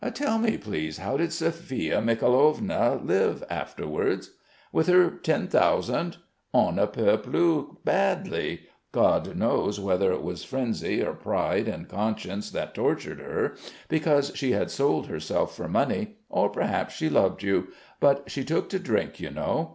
"Tell me, please, how did Sophia Mikhailovna live afterwards?" "With her ten thousand? On ne peut plus badly.... God knows whether it was frenzy or pride and conscience that tortured her, because she had sold herself for money or perhaps she loved you; but, she took to drink, you know.